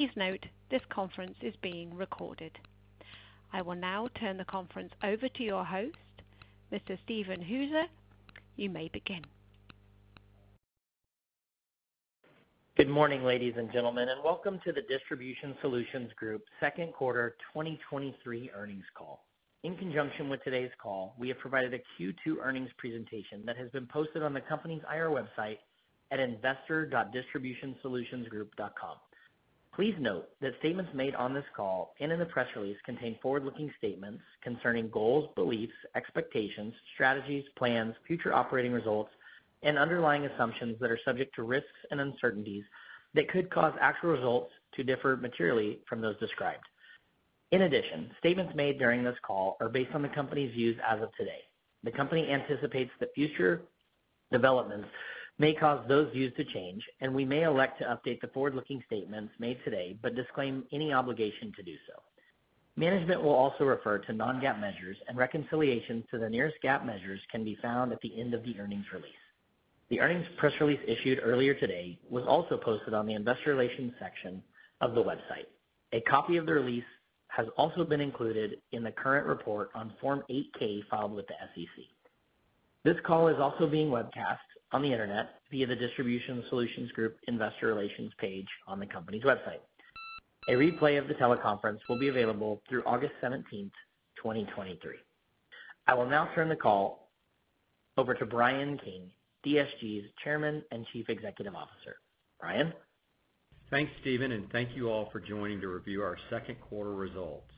Please note, this conference is being recorded. I will now turn the conference over to your host, Mr. Steven Hooser. You may begin. Good morning, ladies and gentlemen, and welcome to the Distribution Solutions Group Q2 2023 Earnings Call. In conjunction with today's call, we have provided a Q2 earnings presentation that has been posted on the company's IR website at investor.distributionsolutionsgroup.com. Please note that statements made on this call and in the press release contain forward-looking statements concerning goals, beliefs, expectations, strategies, plans, future operating results, and underlying assumptions that are subject to risks and uncertainties that could cause actual results to differ materially from those described. In addition, statements made during this call are based on the company's views as of today. The company anticipates that future developments may cause those views to change, and we may elect to update the forward-looking statements made today, but disclaim any obligation to do so. Management will also refer to non-GAAP measures, and reconciliation to the nearest GAAP measures can be found at the end of the earnings release. The earnings press release issued earlier today was also posted on the investor relations section of the website. A copy of the release has also been included in the current report on Form 8-K filed with the SEC. This call is also being webcast on the Internet via the Distribution Solutions Group investor relations page on the company's website. A replay of the teleconference will be available through August 17, 2023. I will now turn the call over to Bryan King, DSG's Chairman and Chief Executive Officer. Bryan? Thanks, Steven. Thank you all for joining to review our Q2 results.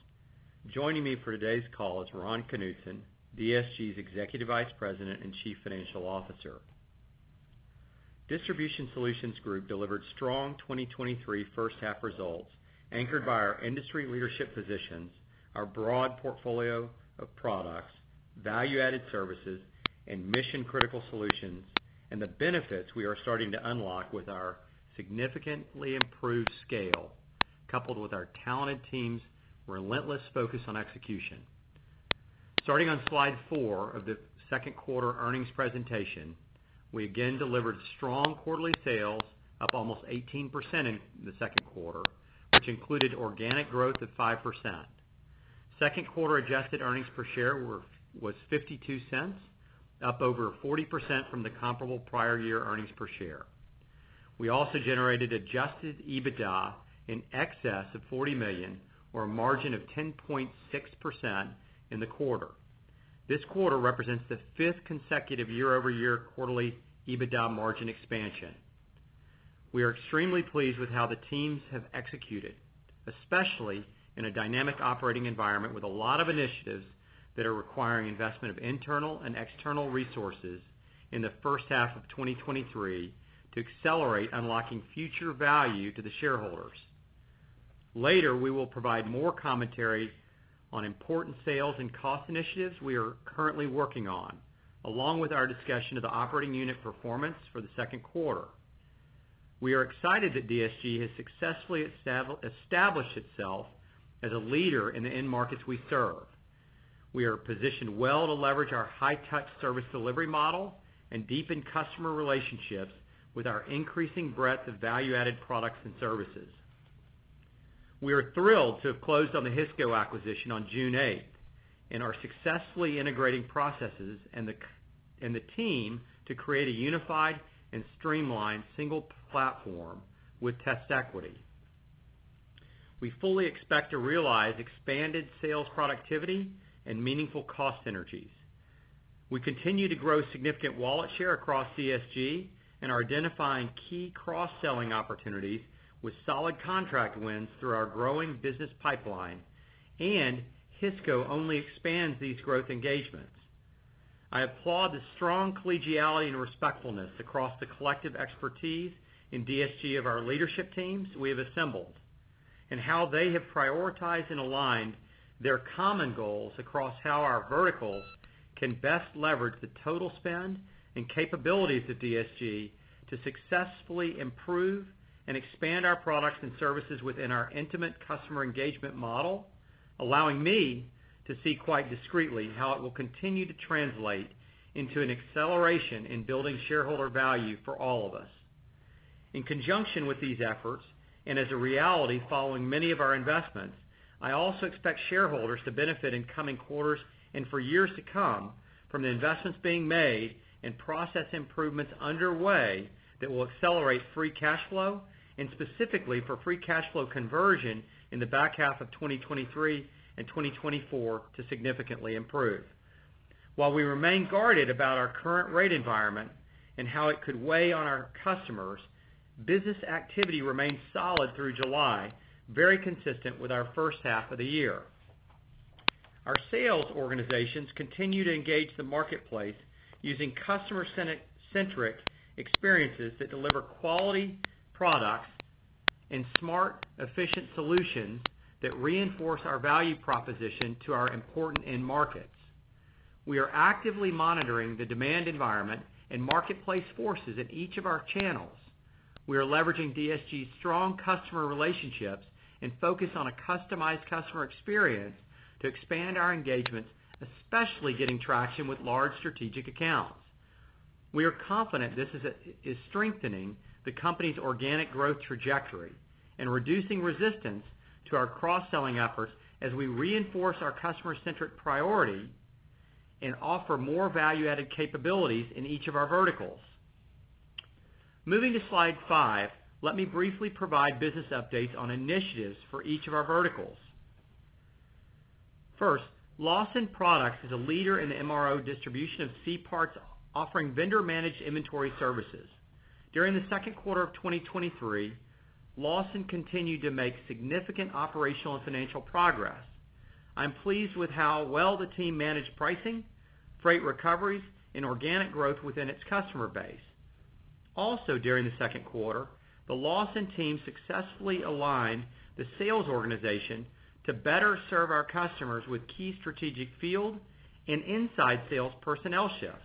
Joining me for today's call is Ron Knutson, DSG's Executive Vice President and Chief Financial Officer. Distribution Solutions Group delivered strong 2023 first half results, anchored by our industry leadership positions, our broad portfolio of products, value-added services and mission-critical solutions, and the benefits we are starting to unlock with our significantly improved scale, coupled with our talented teams' relentless focus on execution. Starting on Slide 4 of the Q2 earnings presentation, we again delivered strong quarterly sales, up almost 18% in the Q2, which included organic growth of 5%. Q2 adjusted earnings per share was $0.52, up over 40% from the comparable prior year earnings per share. We also generated adjusted EBITDA in excess of $40 million, or a margin of 10.6% in the quarter. This quarter represents the fifth consecutive year-over-year quarterly EBITDA margin expansion. We are extremely pleased with how the teams have executed, especially in a dynamic operating environment with a lot of initiatives that are requiring investment of internal and external resources in the first half of 2023 to accelerate unlocking future value to the shareholders. Later, we will provide more commentary on important sales and cost initiatives we are currently working on, along with our discussion of the operating unit performance for the Q2. We are excited that DSG has successfully established itself as a leader in the end markets we serve. We are positioned well to leverage our high-touch service delivery model and deepen customer relationships with our increasing breadth of value-added products and services. We are thrilled to have closed on the Hisco acquisition on June 8 and are successfully integrating processes and the team to create a unified and streamlined single platform with TestEquity. We fully expect to realize expanded sales, productivity, and meaningful cost synergies. We continue to grow significant wallet share across DSG and are identifying key cross-selling opportunities with solid contract wins through our growing business pipeline, and Hisco only expands these growth engagements. I applaud the strong collegiality and respectfulness across the collective expertise in DSG of our leadership teams we have assembled, and how they have prioritized and aligned their common goals across how our verticals can best leverage the total spend and capabilities of DSG to successfully improve and expand our products and services within our intimate customer engagement model, allowing me to see quite discreetly how it will continue to translate into an acceleration in building shareholder value for all of us. In conjunction with these efforts, and as a reality following many of our investments, I also expect shareholders to benefit in coming quarters and for years to come from the investments being made and process improvements underway that will accelerate free cash flow, and specifically for free cash flow conversion in the back half of 2023 and 2024 to significantly improve. While we remain guarded about our current rate environment and how it could weigh on our customers, business activity remains solid through July, very consistent with our first half of the year. Our sales organizations continue to engage the marketplace using customer-centric experiences that deliver quality products and smart, efficient solutions that reinforce our value proposition to our important end markets. We are actively monitoring the demand environment and marketplace forces in each of our channels. We are leveraging DSG's strong customer relationships and focus on a customized customer experience to expand our engagements, especially getting traction with large strategic accounts. We are confident this is strengthening the company's organic growth trajectory and reducing resistance to our cross-selling efforts as we reinforce our customer-centric priority and offer more value-added capabilities in each of our verticals. Moving to Slide 5, let me briefly provide business updates on initiatives for each of our verticals. First, Lawson Products is a leader in the MRO distribution of C-parts, offering vendor-managed inventory services. During the Q2 of 2023, Lawson continued to make significant operational and financial progress. I'm pleased with how well the team managed pricing, freight recoveries, and organic growth within its customer base. During the Q2, the Lawson team successfully aligned the sales organization to better serve our customers with key strategic field and inside sales personnel shifts.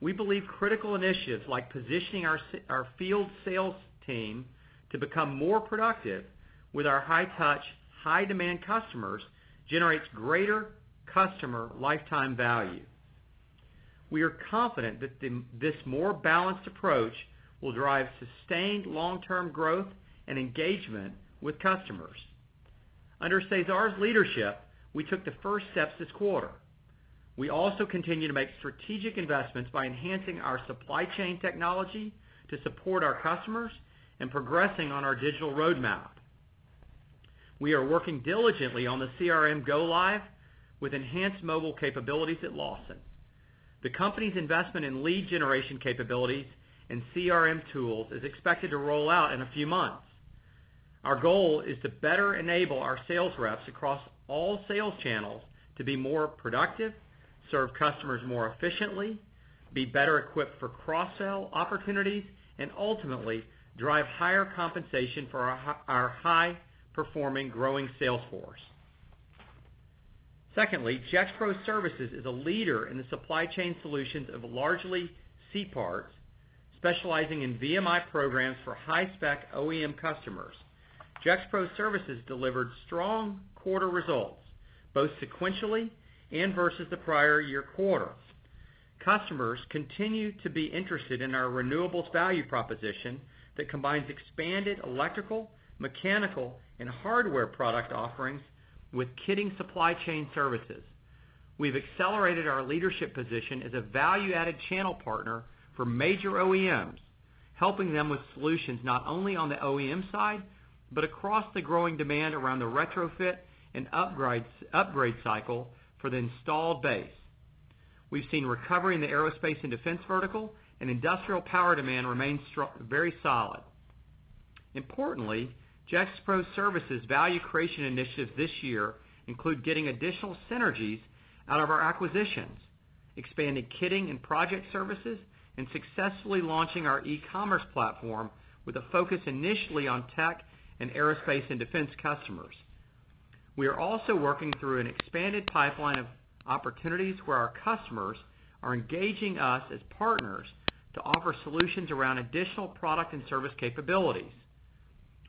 We believe critical initiatives like positioning our field sales team to become more productive with our high touch, high demand customers, generates greater customer lifetime value. We are confident that this more balanced approach will drive sustained long-term growth and engagement with customers. Under Cesar's leadership, we took the first steps this quarter. We also continue to make strategic investments by enhancing our supply chain technology to support our customers and progressing on our digital roadmap. We are working diligently on the CRM go live with enhanced mobile capabilities at Lawson. The company's investment in lead generation capabilities and CRM tools is expected to roll out in a few months. Our goal is to better enable our sales reps across all sales channels to be more productive, serve customers more efficiently, be better equipped for cross-sell opportunities, and ultimately, drive higher compensation for our high-performing, growing sales force. Secondly, Gexpro Services is a leader in the supply chain solutions of largely C-parts, specializing in VMI programs for high spec OEM customers. Gexpro Services delivered strong quarter results, both sequentially and versus the prior year quarter. Customers continue to be interested in our renewables value proposition that combines expanded electrical, mechanical, and hardware product offerings with kitting supply chain services. We've accelerated our leadership position as a value-added channel partner for major OEMs, helping them with solutions not only on the OEM side, but across the growing demand around the retrofit and upgrade cycle for the installed base. We've seen recovery in the aerospace and defense vertical, and industrial power demand remains strong, very solid. Importantly, Gexpro Services value creation initiatives this year include getting additional synergies out of our acquisitions, expanding kitting and project services, and successfully launching our e-commerce platform with a focus initially on tech and aerospace and defense customers. We are also working through an expanded pipeline of opportunities where our customers are engaging us as partners to offer solutions around additional product and service capabilities.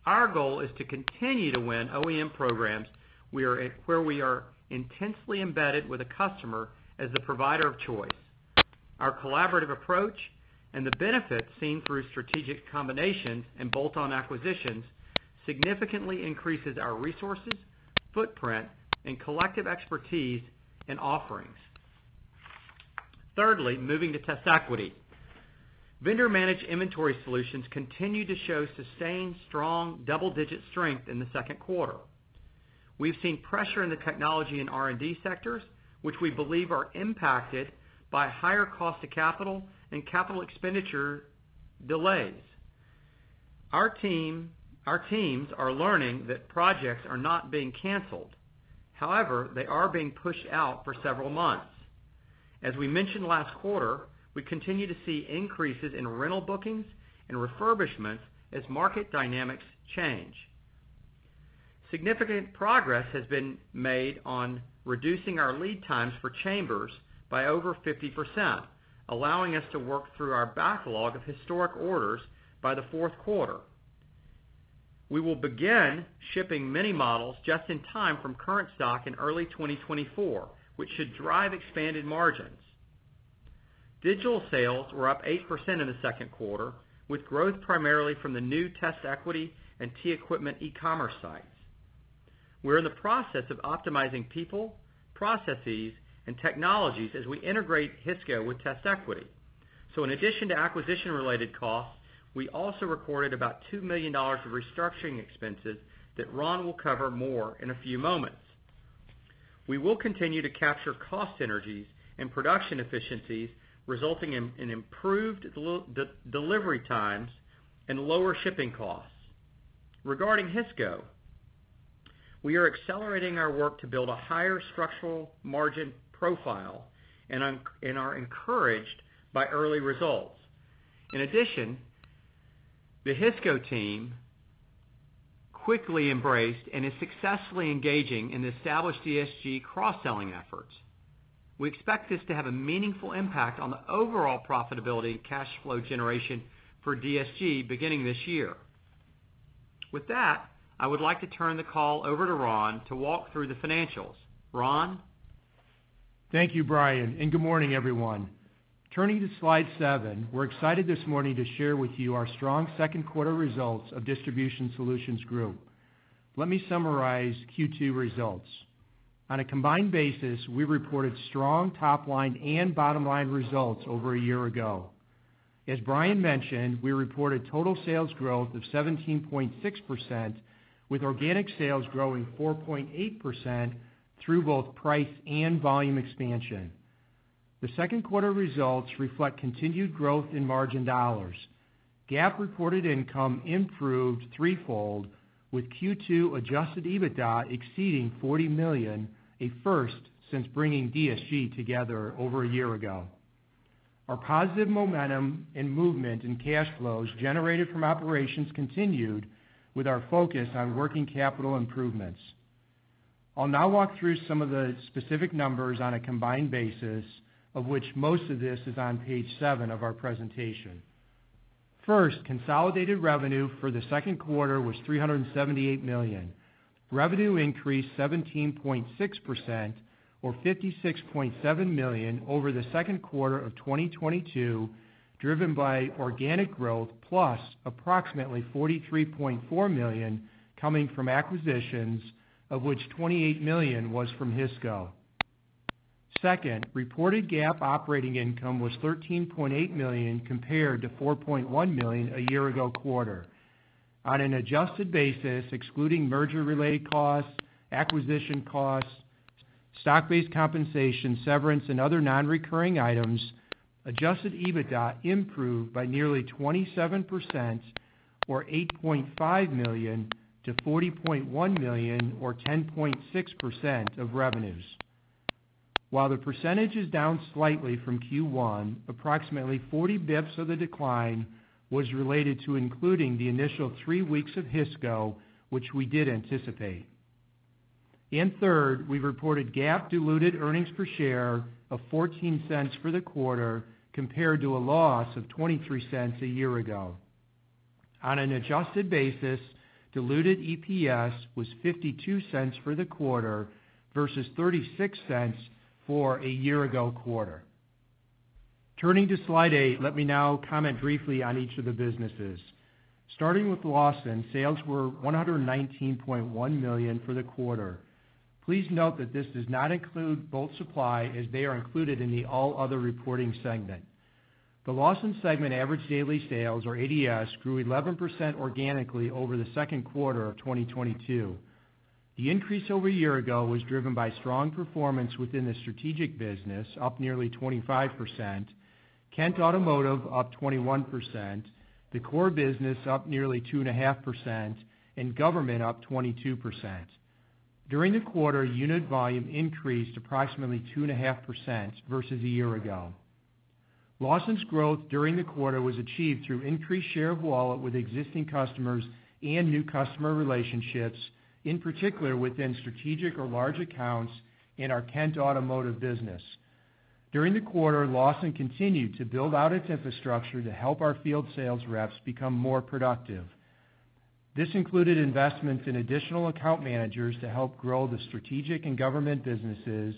Our goal is to continue to win OEM programs, where we are, where we are intensely embedded with a customer as a provider of choice. Our collaborative approach and the benefits seen through strategic combinations and bolt-on acquisitions, significantly increases our resources, footprint, and collective expertise in offerings. Thirdly, moving to TestEquity. Vendor Managed Inventory solutions continue to show sustained, strong, double-digit strength in the Q2. We've seen pressure in the technology and R&D sectors, which we believe are impacted by higher cost of capital and capital expenditure delays. Our teams are learning that projects are not being canceled. However, they are being pushed out for several months. As we mentioned last quarter, we continue to see increases in rental bookings and refurbishments as market dynamics change. Significant progress has been made on reducing our lead times for chambers by over 50%, allowing us to work through our backlog of historic orders by the Q4. We will begin shipping many models just in time from current stock in early 2024, which should drive expanded margins. Digital sales were up 8% in the Q2, with growth primarily from the new TestEquity and TEquipment e-commerce sites. We're in the process of optimizing people, processes, and technologies as we integrate Hisco with TestEquity. In addition to acquisition-related costs, we also recorded about $2 million of restructuring expenses that Ron will cover more in a few moments. We will continue to capture cost synergies and production efficiencies, resulting in improved delivery times and lower shipping costs. Regarding Hisco, we are accelerating our work to build a higher structural margin profile and are encouraged by early results. In addition, the Hisco team quickly embraced and is successfully engaging in the established DSG cross-selling efforts. We expect this to have a meaningful impact on the overall profitability and cash flow generation for DSG beginning this year. With that, I would like to turn the call over to Ron to walk through the financials. Ron? Thank you, Bryan, and good morning, everyone. Turning to Slide 7, we're excited this morning to share with you our strong Q2 results of Distribution Solutions Group. Let me summarize Q2 results. On a combined basis, we reported strong top line and bottom line results over a year ago. As Bryan mentioned, we reported total sales growth of 17.6%, with organic sales growing 4.8% through both price and volume expansion. The Q2 results reflect continued growth in margin dollars. GAAP reported income improved threefold, with Q2 adjusted EBITDA exceeding $40 million, a first since bringing DSG together over a year ago. Our positive momentum and movement in cash flows generated from operations continued with our focus on working capital improvements. I'll now walk through some of the specific numbers on a combined basis, of which most of this is on page seven of our presentation. First, consolidated revenue for the Q2 was $378 million. Revenue increased 17.6%, or $56.7 million over the Q2 of 2022, driven by organic growth, plus approximately $43.4 million coming from acquisitions, of which $28 million was from Hisco. Second, reported GAAP operating income was $13.8 million compared to $4.1 million a year ago quarter. On an adjusted basis, excluding merger-related costs, acquisition costs, stock-based compensation, severance, and other non-recurring items, adjusted EBITDA improved by nearly 27% or $8.5 million to $40.1 million, or 10.6% of revenues. While the percentage is down slightly from Q1, approximately 40 bps of the decline was related to including the initial 3 weeks of Hisco, which we did anticipate. Third, we reported GAAP diluted earnings per share of $0.14 for the quarter, compared to a loss of $0.23 a year ago. On an adjusted basis, diluted EPS was $0.52 for the quarter versus $0.36 for a year ago quarter. Turning to Slide 8, let me now comment briefly on each of the businesses. Starting with Lawson, sales were $119.1 million for the quarter. Please note that this does not include Bolt Supply, as they are included in the all other reporting segment. The Lawson segment average daily sales, or ADS, grew 11% organically over the Q2 of 2022. The increase over a year ago was driven by strong performance within the strategic business, up nearly 25%, Kent Automotive up 21%, the core business up nearly 2.5%, and government up 22%. During the quarter, unit volume increased approximately 2.5% versus a year ago. Lawson's growth during the quarter was achieved through increased share of wallet with existing customers and new customer relationships, in particular within strategic or large accounts in our Kent Automotive business. During the quarter, Lawson continued to build out its infrastructure to help our field sales reps become more productive. This included investments in additional account managers to help grow the strategic and government businesses,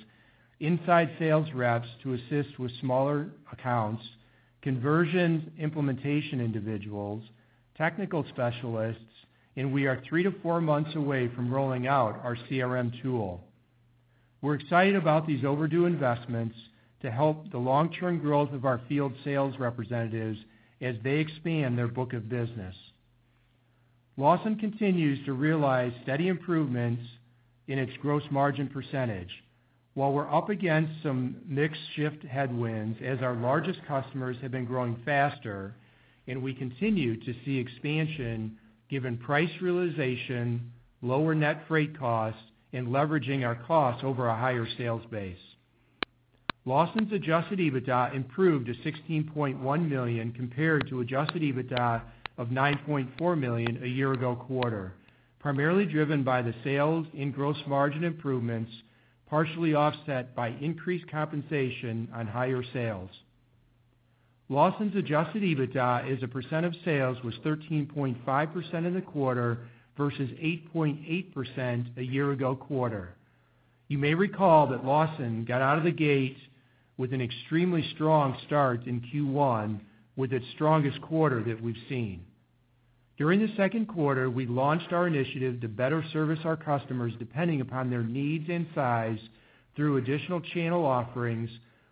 inside sales reps to assist with smaller accounts, conversion implementation individuals, technical specialists, and we are 3-4 months away from rolling out our CRM tool. We're excited about these overdue investments to help the long-term growth of our field sales representatives as they expand their book of business. Lawson continues to realize steady improvements in its gross margin %. While we're up against some mix shift headwinds, as our largest customers have been growing faster, and we continue to see expansion given price realization, lower net freight costs, and leveraging our costs over a higher sales base. Lawson's adjusted EBITDA improved to $16.1 million, compared to adjusted EBITDA of $9.4 million a year ago quarter, primarily driven by the sales in gross margin improvements, partially offset by increased compensation on higher sales. Lawson's adjusted EBITDA as a % of sales was 13.5% of the quarter versus 8.8% a year ago quarter. You may recall that Lawson got out of the gate with an extremely strong start in Q1, with its strongest quarter that we've seen. During the Q2, we launched our initiative to better service our customers, depending upon their needs and size, through additional channel offerings,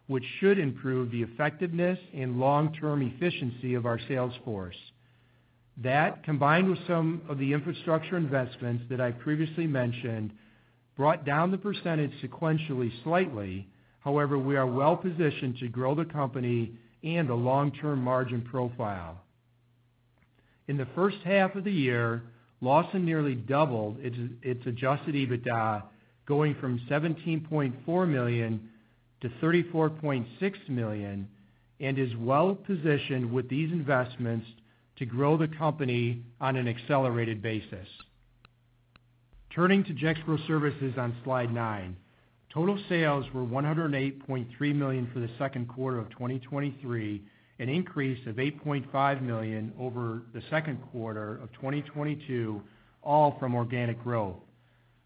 which should improve the effectiveness and long-term efficiency of our sales force. That, combined with some of the infrastructure investments that I previously mentioned, brought down the percentage sequentially slightly. However, we are well positioned to grow the company and the long-term margin profile. In the first half of the year, Lawson nearly doubled its adjusted EBITDA, going from $17.4 million to $34.6 million, and is well positioned with these investments to grow the company on an accelerated basis. Turning to Gexpro Services on Slide 9. Total sales were $108.3 million for the Q2 of 2023, an increase of $8.5 million over the Q2 of 2022, all from organic growth.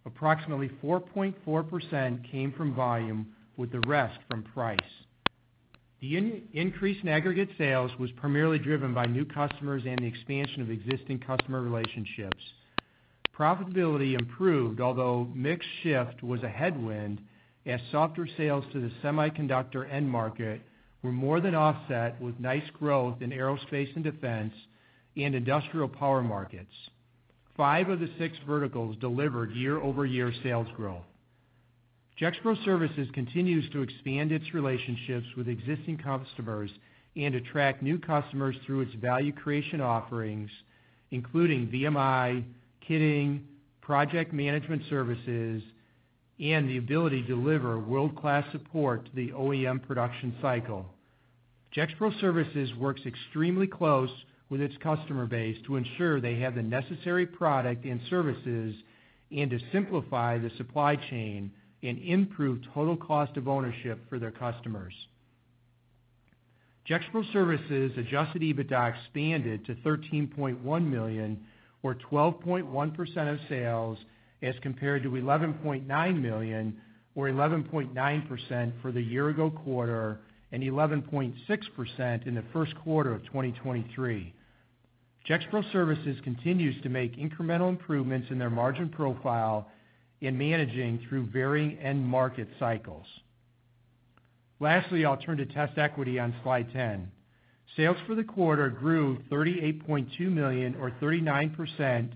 Approximately 4.4% came from volume, with the rest from price. The increase in aggregate sales was primarily driven by new customers and the expansion of existing customer relationships. Profitability improved, although mix shift was a headwind, as softer sales to the semiconductor end market were more than offset, with nice growth in aerospace and defense and industrial power markets. Five of the six verticals delivered year-over-year sales growth. Gexpro Services continues to expand its relationships with existing customers and attract new customers through its value creation offerings, including VMI, kitting, project management services, and the ability to deliver world-class support to the OEM production cycle. Gexpro Services works extremely close with its customer base to ensure they have the necessary product and services, and to simplify the supply chain and improve total cost of ownership for their customers. Gexpro Services adjusted EBITDA expanded to $13.1 million, or 12.1% of sales, as compared to $11.9 million, or 11.9% for the year ago quarter, and 11.6% in the Q1 of 2023. Gexpro Services continues to make incremental improvements in their margin profile in managing through varying end market cycles. Lastly, I'll turn to TestEquity on Slide 10. Sales for the quarter grew $38.2 million, or 39%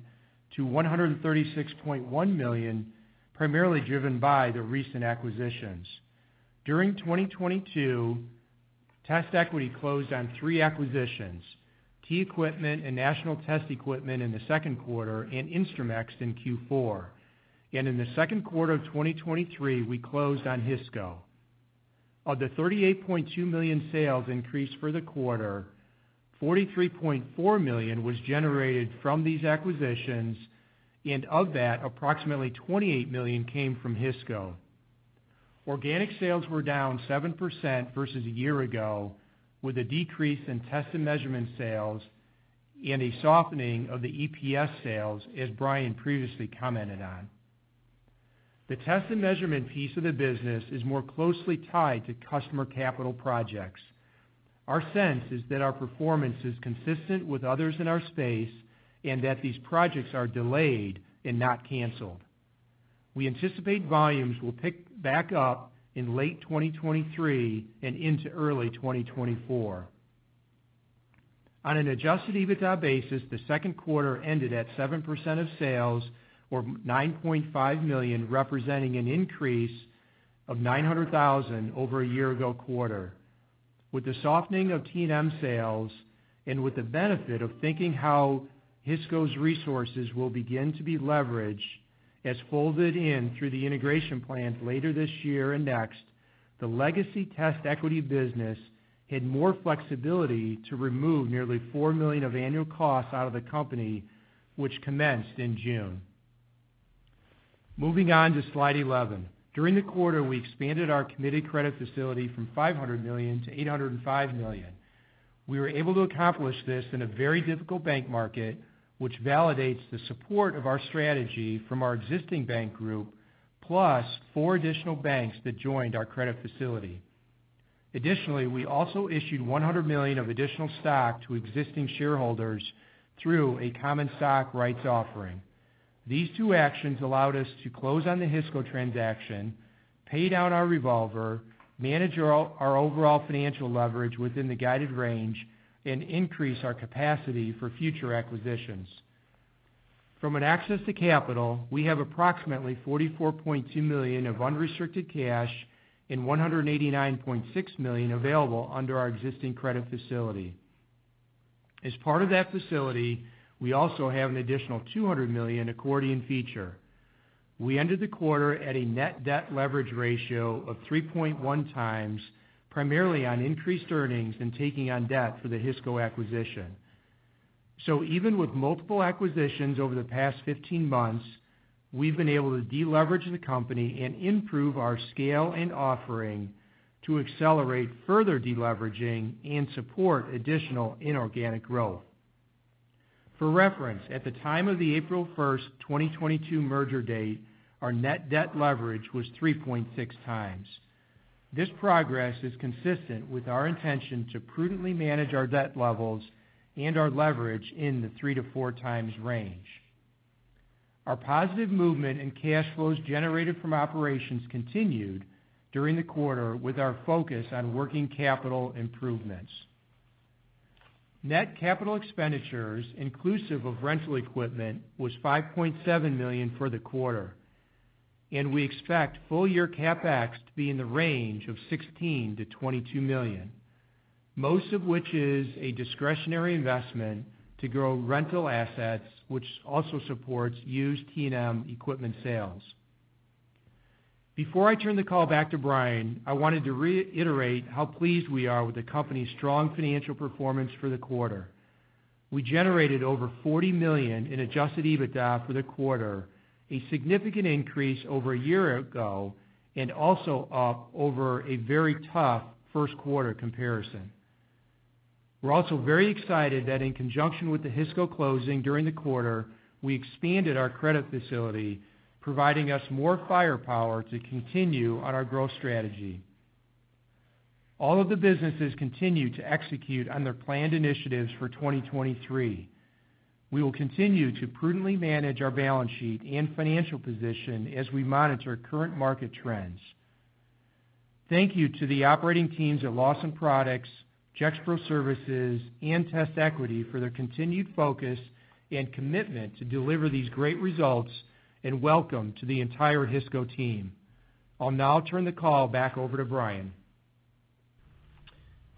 to $136.1 million, primarily driven by the recent acquisitions. During 2022, TestEquity closed on 3 acquisitions: Key Equipment and National Test Equipment in the Q2 and Instrumex in Q4. In the Q2 of 2023, we closed on Hisco. Of the $38.2 million sales increase for the quarter, $43.4 million was generated from these acquisitions, and of that, approximately $28 million came from Hisco. Organic sales were down 7% versus a year ago, with a decrease in test and measurement sales and a softening of the EPS sales, as Bryan previously commented on. The test and measurement piece of the business is more closely tied to customer capital projects. Our sense is that our performance is consistent with others in our space and that these projects are delayed and not canceled. We anticipate volumes will pick back up in late 2023 and into early 2024. On an adjusted EBITDA basis, the Q2 ended at 7% of sales or $9.5 million, representing an increase of $900,000 over a year ago quarter. With the softening of T&M sales and with the benefit of thinking how Hisco's resources will begin to be leveraged as folded in through the integration plan later this year and next, the legacy TestEquity business had more flexibility to remove nearly $4 million of annual costs out of the company, which commenced in June. Moving on to Slide 11. During the quarter, we expanded our committed credit facility from $500 million to $805 million. We were able to accomplish this in a very difficult bank market, which validates the support of our strategy from our existing bank group, plus four additional banks that joined our credit facility. Additionally, we also issued $100 million of additional stock to existing shareholders through a common stock rights offering. These two actions allowed us to close on the Hisco transaction, pay down our revolver, manage our overall financial leverage within the guided range, and increase our capacity for future acquisitions. From an access to capital, we have approximately $44.2 million of unrestricted cash and $189.6 million available under our existing credit facility. As part of that facility, we also have an additional $200 million accordion feature. We ended the quarter at a net debt leverage ratio of 3.1x, primarily on increased earnings and taking on debt for the Hisco acquisition. Even with multiple acquisitions over the past 15 months, we've been able to deleverage the company and improve our scale and offering to accelerate further deleveraging and support additional inorganic growth. For reference, at the time of the April 1, 2022, merger date, our net debt leverage was 3.6 times. This progress is consistent with our intention to prudently manage our debt levels and our leverage in the 3-4 times range. Our positive movement in cash flows generated from operations continued during the quarter, with our focus on working capital improvements. Net capital expenditures, inclusive of rental equipment, was $5.7 million for the quarter, and we expect full year CapEx to be in the range of $16 million-$22 million, most of which is a discretionary investment to grow rental assets, which also supports used T&M equipment sales. Before I turn the call back to Bryan, I wanted to reiterate how pleased we are with the company's strong financial performance for the quarter. We generated over $40 million in adjusted EBITDA for the quarter, a significant increase over a year ago, and also up over a very tough Q1 comparison. We're also very excited that in conjunction with the Hisco closing during the quarter, we expanded our credit facility, providing us more firepower to continue on our growth strategy. All of the businesses continue to execute on their planned initiatives for 2023. We will continue to prudently manage our balance sheet and financial position as we monitor current market trends. Thank you to the operating teams at Lawson Products, Gexpro Services, and TestEquity for their continued focus and commitment to deliver these great results, and welcome to the entire Hisco team. I'll now turn the call back over to Bryan.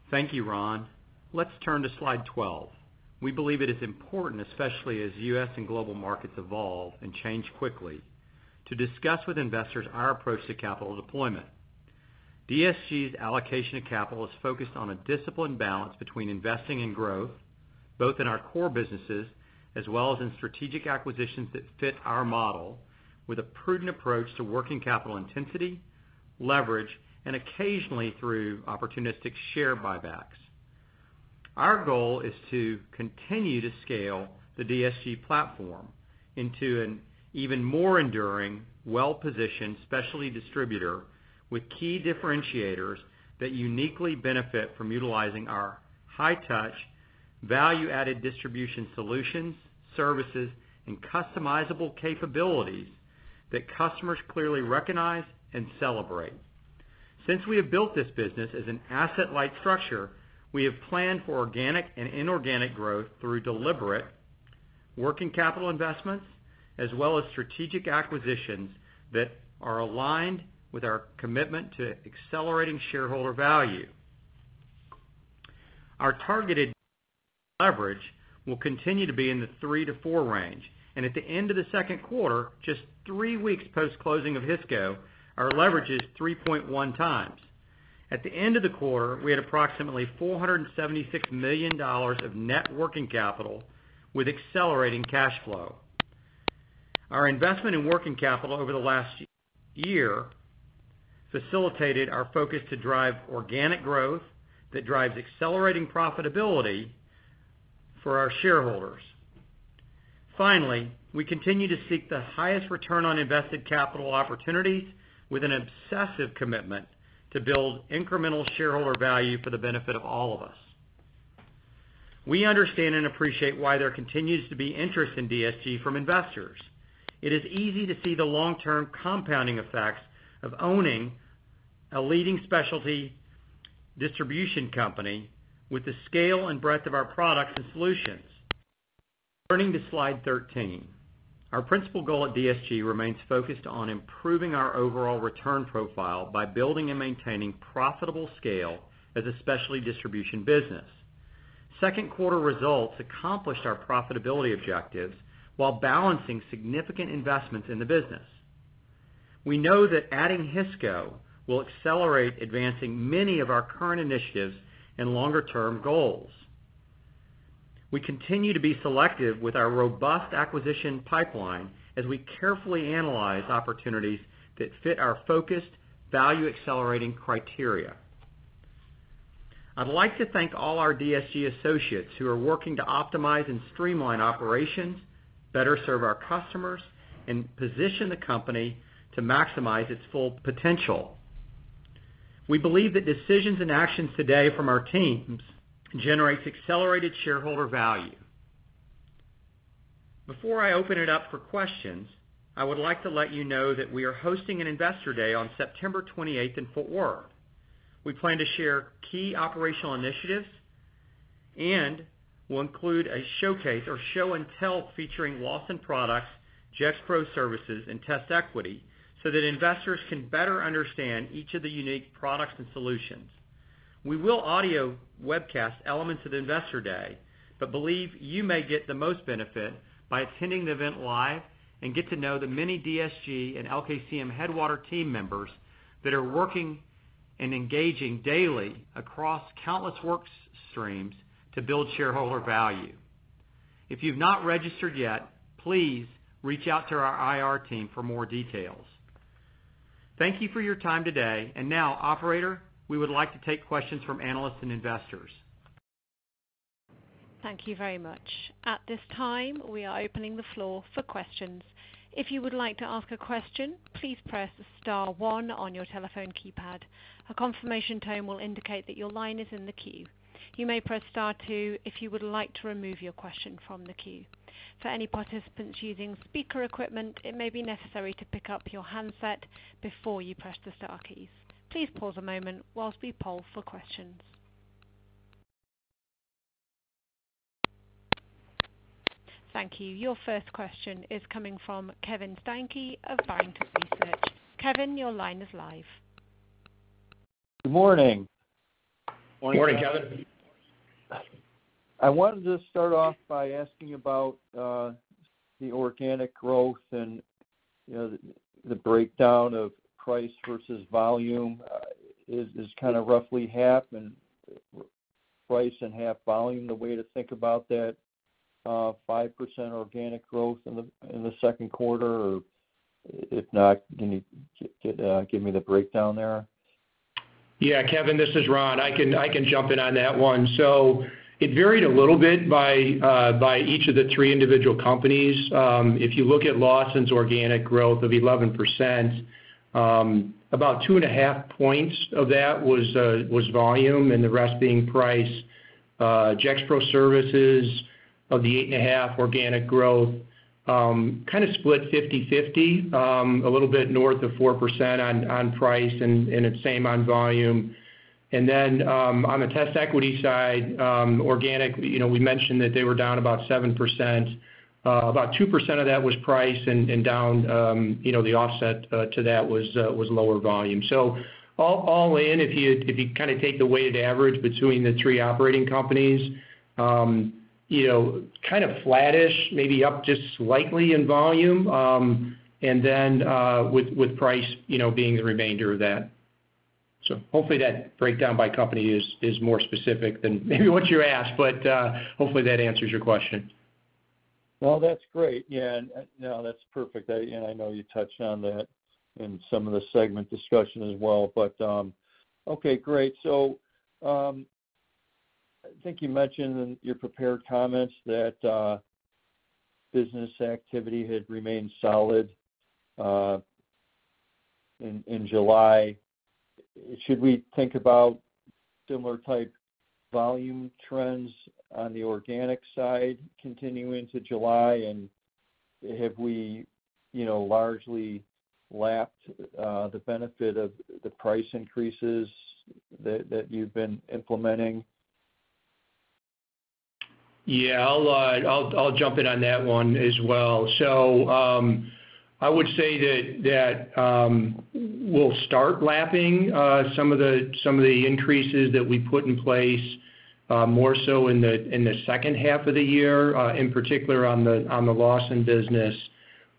Thank you, Ron. Let's turn to Slide 12. We believe it is important, especially as U.S. and global markets evolve and change quickly, to discuss with investors our approach to capital deployment. DSG's allocation of capital is focused on a disciplined balance between investing in growth, both in our core businesses as well as in strategic acquisitions that fit our model, with a prudent approach to working capital intensity, leverage, and occasionally through opportunistic share buybacks. Our goal is to continue to scale the DSG platform into an even more enduring, well-positioned, specialty distributor, with key differentiators that uniquely benefit from utilizing our high touch, value-added distribution solutions, services, and customizable capabilities that customers clearly recognize and celebrate. Since we have built this business as an asset-light structure, we have planned for organic and inorganic growth through deliberate working capital investments, as well as strategic acquisitions that are aligned with our commitment to accelerating shareholder value. Our targeted leverage will continue to be in the 3-4 range, and at the end of the Q2, just 3 weeks post-closing of Hisco, our leverage is 3.1 times. At the end of the quarter, we had approximately $476 million of net working capital with accelerating cash flow. Our investment in working capital over the last year facilitated our focus to drive organic growth that drives accelerating profitability for our shareholders. Finally, we continue to seek the highest return on invested capital opportunities with an obsessive commitment to build incremental shareholder value for the benefit of all of us. We understand and appreciate why there continues to be interest in DSG from investors. It is easy to see the long-term compounding effects of owning a leading specialty distribution company with the scale and breadth of our products and solutions. Turning to Slide 13. Our principal goal at DSG remains focused on improving our overall return profile by building and maintaining profitable scale as a specialty distribution business. Q2 results accomplished our profitability objectives while balancing significant investments in the business. We know that adding Hisco will accelerate advancing many of our current initiatives and longer-term goals. We continue to be selective with our robust acquisition pipeline as we carefully analyze opportunities that fit our focused value accelerating criteria. I'd like to thank all our DSG associates who are working to optimize and streamline operations, better serve our customers, and position the company to maximize its full potential. We believe that decisions and actions today from our teams generates accelerated shareholder value. Before I open it up for questions, I would like to let you know that we are hosting an Investor Day on September 28 in Fort Worth. We plan to share key operational initiatives and will include a showcase or show and tell, featuring Lawson Products, Gexpro Services, and TestEquity, so that investors can better understand each of the unique products and solutions. We will audio webcast elements of the Investor Day, but believe you may get the most benefit by attending the event live and get to know the many DSG and LKCM Headwater team members that are working and engaging daily across countless work streams to build shareholder value. If you've not registered yet, please reach out to our IR team for more details. Thank you for your time today. Now, operator, we would like to take questions from analysts and investors. Thank you very much. At this time, we are opening the floor for questions. If you would like to ask a question, please press star one on your telephone keypad. A confirmation tone will indicate that your line is in the queue. You may press star two if you would like to remove your question from the queue. For any participants using speaker equipment, it may be necessary to pick up your handset before you press the star keys. Please pause a moment while we poll for questions. Thank you. Your first question is coming from Kevin Steinke of Bain Research. Kevin, your line is live. Good morning. Good morning, Kevin. I wanted to start off by asking about the organic growth and, you know, the breakdown of price versus volume. Is kind of roughly half and price and half volume, the way to think about that, 5% organic growth in the Q2? Or if not, can you give me the breakdown there? Yeah, Kevin, this is Ron. I can, I can jump in on that one. It varied a little bit by each of the three individual companies. If you look at Lawson's organic growth of 11%, about 2.5 points of that was volume, and the rest being price. Gexpro Services of the 8.5% organic growth, kind of split 50/50. A little bit north of 4% on price, and it's same on volume. On the TestEquity side, organic, you know, we mentioned that they were down about 7%. About 2% of that was price and down, you know, the offset to that was lower volume. All, all in, if you, if you kind of take the weighted average between the three operating companies, you know, kind of flattish, maybe up just slightly in volume, and then, with, with price, you know, being the remainder of that. Hopefully that breakdown by company is, is more specific than maybe what you asked, but, hopefully that answers your question. Well, that's great. Yeah, no, that's perfect. I... and I know you touched on that in some of the segment discussion as well. Okay, great. I think you mentioned in your prepared comments that business activity had remained solid in July. Should we think about similar type volume trends on the organic side continuing to July? Have we, you know, largely lapped the benefit of the price increases that, that you've been implementing? Yeah, I'll, I'll, I'll jump in on that one as well. I would say that, that, we'll start lapping, some of the, some of the increases that we put in place, more so in the, in the second half of the year, in particular on the, on the Lawson business.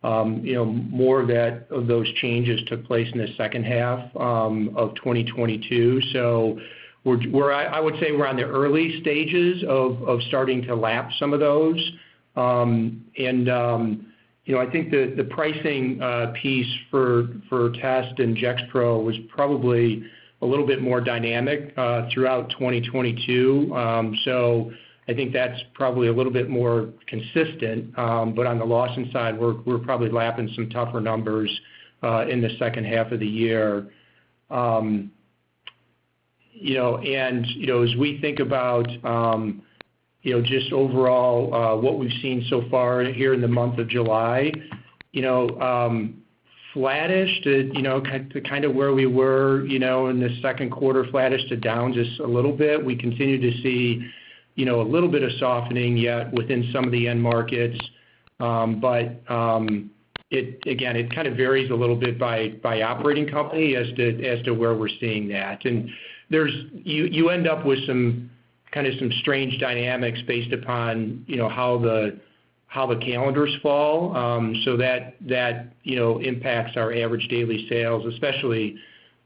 You know, more of that, of those changes took place in the second half, of 2022. We're on the early stages of, of starting to lap some of those. And, you know, I think the, the pricing, piece for Test and Gexpro was probably a little bit more dynamic, throughout 2022. I think that's probably a little bit more consistent. On the Lawson side, we're, we're probably lapping some tougher numbers in the second half of the year. You know, and, you know, as we think about, you know, just overall, what we've seen so far here in the month of July, you know, flattish to, you know, kind, to kind of where we were, you know, in the Q2, flattish to down just a little bit. We continue to see, you know, a little bit of softening yet within some of the end markets. It again, it kind of varies a little bit by, by operating company as to, as to where we're seeing that. There's. You, you end up with some, kind of, some strange dynamics based upon, you know, how the, how the calendars fall. That, that, you know, impacts our average daily sales, especially,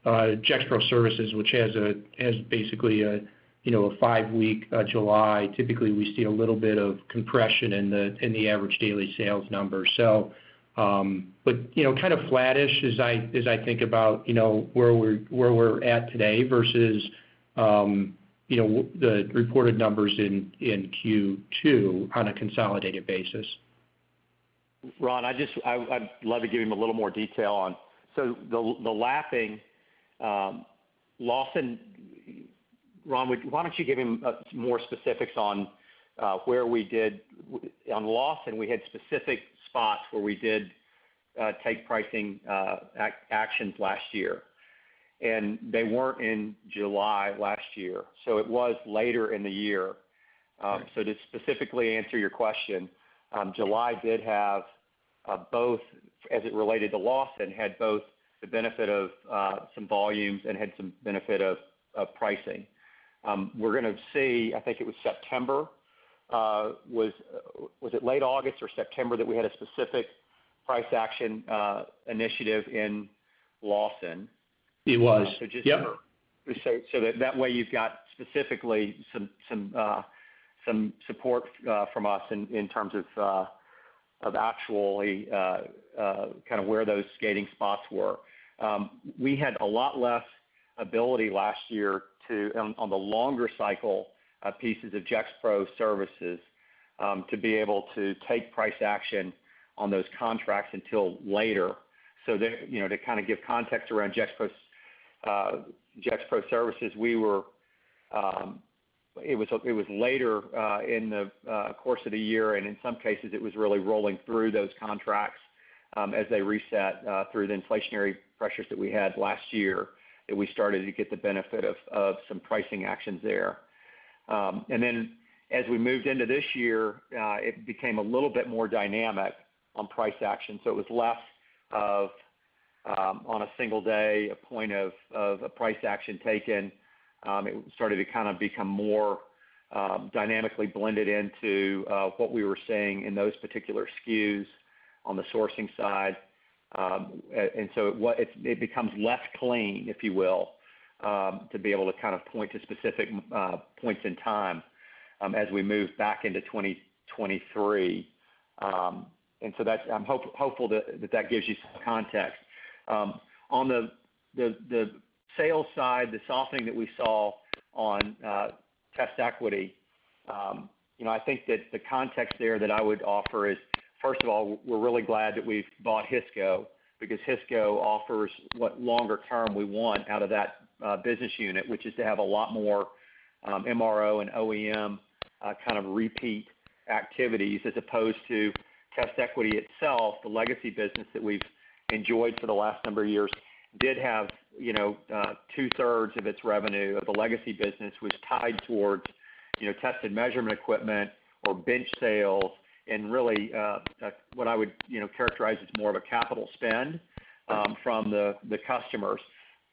Gexpro Services, which has a, has basically a, you know, a 5-week July. Typically, we see a little bit of compression in the, in the average daily sales number. You know, kind of flattish as I, as I think about, you know, where we're, where we're at today versus, you know, the reported numbers in, in Q2 on a consolidated basis. Ron, I just, I, I'd love to give him a little more detail on. The, the lapping, Lawson, Ron, would, why don't you give him more specifics on where we did. On Lawson, we had specific spots where we did take pricing actions last year, and they weren't in July last year, so it was later in the year. To specifically answer your question, July did have both, as it related to Lawson, had both the benefit of some volumes and had some benefit of pricing. We're gonna see, I think it was September, was it late August or September that we had a specific price action initiative in Lawson? It was. Yep. That, that way you've got specifically some, some support from us in terms of actually kind of where those skating spots were. We had a lot less ability last year to on the longer cycle pieces of Gexpro Services to be able to take price action on those contracts until later. There, you know, to kind of give context around Gexpro's Gexpro Services, we were, it was, it was later in the course of the year, and in some cases, it was really rolling through those contracts as they reset through the inflationary pressures that we had last year, that we started to get the benefit of some pricing actions there. As we moved into this year, it became a little bit more dynamic on price action. It was less of, on a single day, a point of, of a price action taken. It started to kind of become more dynamically blended into what we were seeing in those particular SKUs on the sourcing side. It becomes less clean, if you will, to be able to kind of point to specific points in time, as we move back into 2023. That's, I'm hopeful that gives you some context. On the, the, the sales side, the softening that we saw on TestEquity, you know, I think that the context there that I would offer is, first of all, we're really glad that we've bought Hisco, because Hisco offers what longer term we want out of that business unit, which is to have a lot more MRO and OEM kind of repeat activities. As opposed to TestEquity itself, the legacy business that we've enjoyed for the last number of years did have, you know, two-thirds of its revenue, of the legacy business, was tied towards, you know, test and measurement equipment or bench sales, and really, what I would, you know, characterize as more of a capital spend from the customers.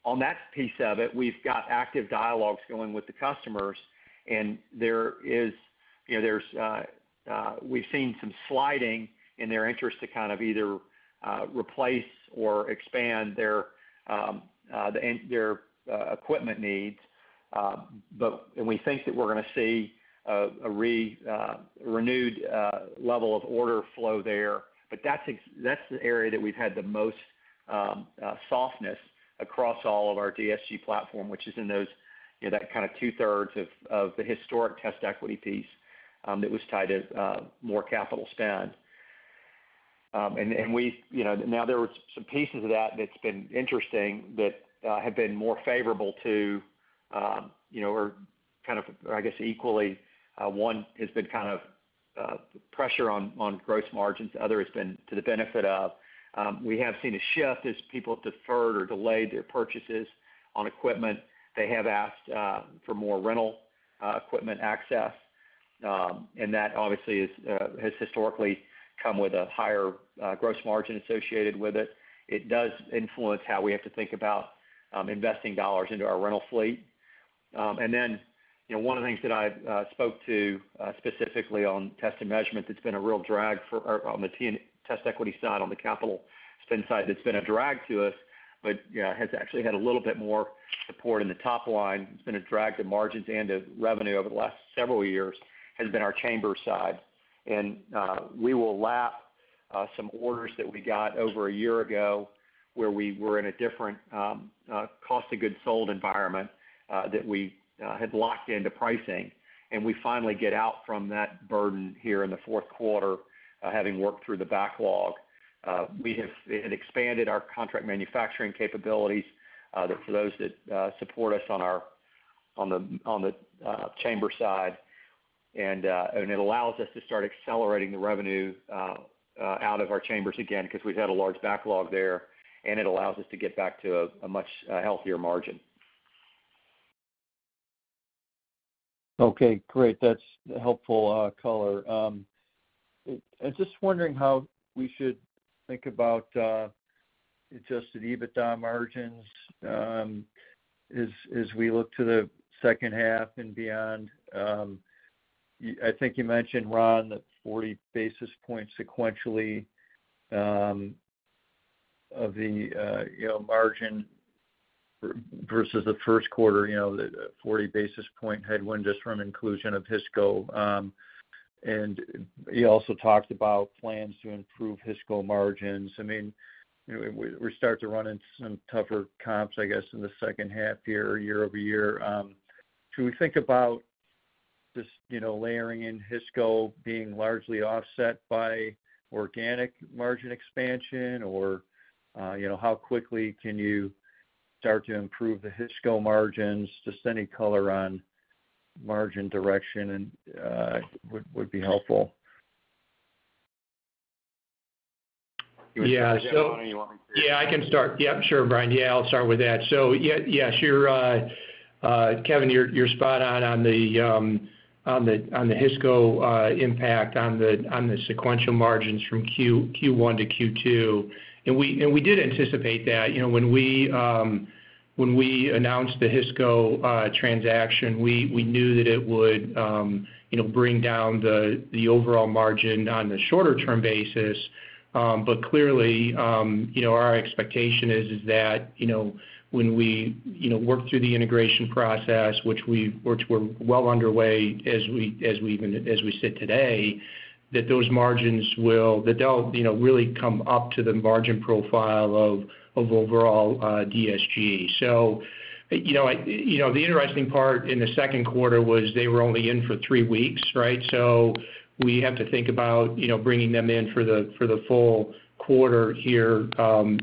On that piece of it, we've got active dialogues going with the customers, and there is, you know, we've seen some sliding in their interest to kind of either replace or expand their equipment needs. We think that we're gonna see a renewed level of order flow there. That's the area that we've had the most softness across all of our DSG platform, which is in those, you know, that kind of two-thirds of the historic TestEquity piece, that was tied as more capital spend. We, you know, now there were some pieces of that that's been interesting, that have been more favorable to, you know, or kind of, I guess, equally. One has been kind of pressure on gross margins, other has been to the benefit of. We have seen a shift as people have deferred or delayed their purchases on equipment. They have asked for more rental equipment access, and that obviously is, has historically come with a higher gross margin associated with it. It does influence how we have to think about investing dollars into our rental fleet. Then, you know, one of the things that I spoke to, specifically on test and measurement, that's been a real drag for, on the TestEquity side, on the capital spend side, that's been a drag to us, but, you know, has actually had a little bit more support in the top line. It's been a drag to margins and to revenue over the last several years, has been our chamber side. We will lap some orders that we got over a year ago, where we were in a different, cost of goods sold environment, that we had locked into pricing. We finally get out from that burden here in the Q4, having worked through the backlog. We have, it expanded our contract manufacturing capabilities, that for those that, support us on our, on the chamber side. It allows us to start accelerating the revenue, out of our chambers again, because we've had a large backlog there, and it allows us to get back to a, a much, healthier margin. Okay, great. That's a helpful color. I was just wondering how we should think about adjusted EBITDA margins as we look to the second half and beyond. I think you mentioned, Ron, that 40 basis points sequentially of the, you know, margin versus the Q1, you know, the 40 basis point headwind just from inclusion of Hisco. And you also talked about plans to improve Hisco margins. I mean, you know, we start to run into some tougher comps, I guess, in the second half year-over-year. Should we think about just, you know, layering in Hisco being largely offset by organic margin expansion? Or, you know, how quickly can you start to improve the Hisco margins? Just any color on margin direction and would be helpful. Yeah. You want me to... Yeah, I can start. Yeah, sure, Bryan. Yeah, I'll start with that. Yes, you're Kevin, you're spot on on the on the Hisco impact on the on the sequential margins from Q1 to Q2. We did anticipate that. You know, when we announced the Hisco transaction, we knew that it would, you know, bring down the overall margin on a shorter term basis. Clearly, you know, our expectation is that, you know, when we, you know, work through the integration process, which we're well underway as we even as we sit today, that those margins will... That they'll, you know, really come up to the margin profile of overall DSG. You know, I, you know, the interesting part in the Q2 was they were only in for 3 weeks, right? We have to think about, you know, bringing them in for the, for the full quarter here,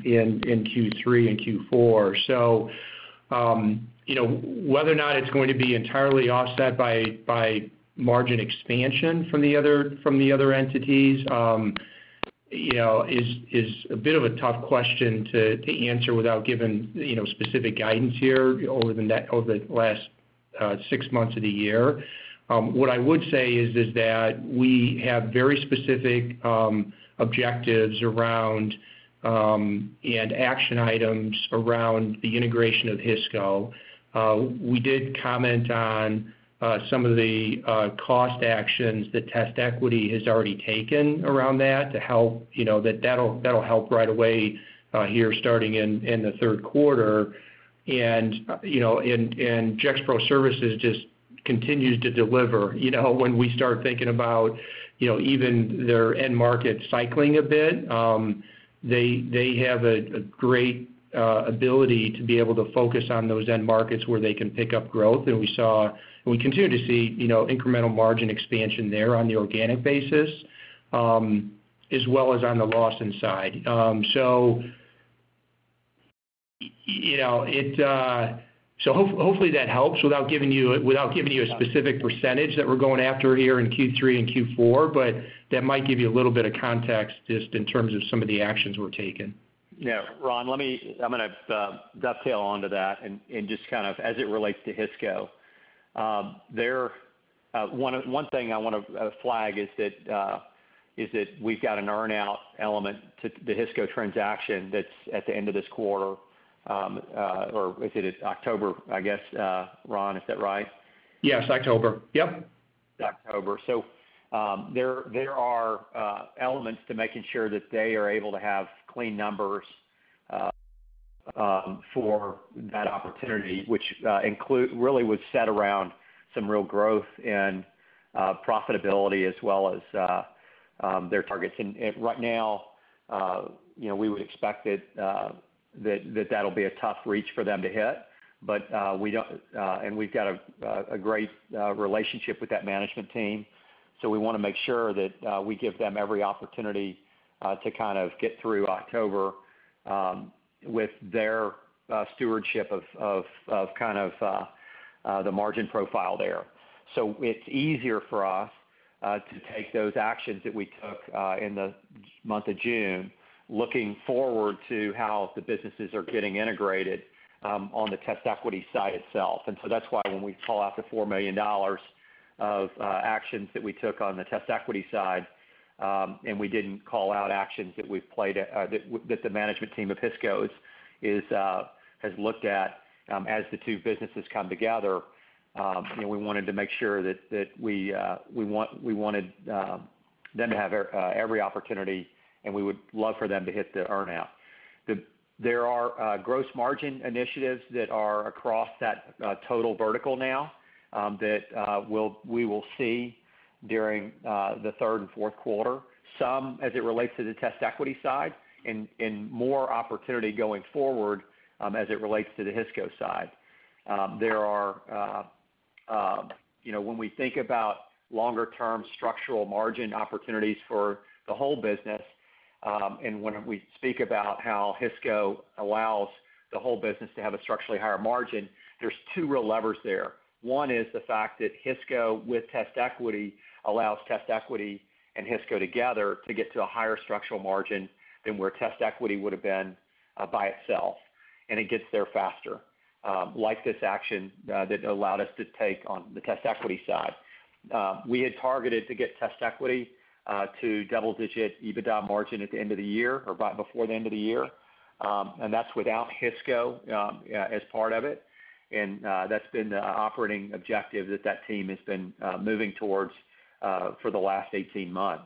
in, in Q3 and Q4. You know, whether or not it's going to be entirely offset by, by margin expansion from the other, from the other entities. You know, is, is a bit of a tough question to, to answer without giving, you know, specific guidance here over the last six months of the year. What I would say is, is that we have very specific objectives around and action items around the integration of Hisco. We did comment on some of the cost actions that TestEquity has already taken around that to help, you know, that that'll, that'll help right away here starting in, in the Q3. You know, and, and Gexpro Services just continues to deliver. You know, when we start thinking about, you know, even their end market cycling a bit, they, they have a, a great ability to be able to focus on those end markets where they can pick up growth. We saw, and we continue to see, you know, incremental margin expansion there on the organic basis, as well as on the Lawson side. You know, it... Hopefully, that helps without giving you, without giving you a specific percentage that we're going after here in Q3 and Q4, but that might give you a little bit of context just in terms of some of the actions we're taking. Yeah. Ron, let me I'm gonna dovetail onto that and just kind of as it relates to Hisco. Their, one thing I wanna flag is that we've got an earn-out element to the Hisco transaction that's at the end of this quarter, or I think it's October, I guess, Ron, is that right? Yes, October. Yep. October. There, there are elements to making sure that they are able to have clean numbers for that opportunity, which really was set around some real growth and profitability as well as their targets. Right now, you know, we would expect that, that that'll be a tough reach for them to hit, but, we don't, and we've got a great relationship with that management team. We wanna make sure that, we give them every opportunity to kind of get through October with their stewardship of, of, of kind of, the margin profile there. It's easier for us to take those actions that we took in the month of June, looking forward to how the businesses are getting integrated on the TestEquity side itself. That's why when we call out the $4 million of actions that we took on the TestEquity side, and we didn't call out actions that we've played, that, that the management team of Hisco is, is, has looked at, as the two businesses come together, you know, we wanted to make sure that, that we wanted them to have every opportunity, and we would love for them to hit the earn-out. There are gross margin initiatives that are across that total vertical now that we will see during the third and Q4. Some, as it relates to the TestEquity side, and more opportunity going forward, as it relates to the Hisco side. There are, you know, when we think about longer term structural margin opportunities for the whole business, and when we speak about how Hisco allows the whole business to have a structurally higher margin, there's two real levers there. One is the fact that Hisco, with TestEquity, allows TestEquity and Hisco together to get to a higher structural margin than where TestEquity would've been by itself, and it gets there faster, like this action that allowed us to take on the TestEquity side. We had targeted to get TestEquity to double-digit EBITDA margin at the end of the year or right before the end of the year. That's without Hisco as part of it. That's been the operating objective that that team has been moving towards for the last 18 months.